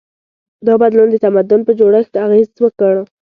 دا بدلون د تمدن په جوړښت اغېز وکړ.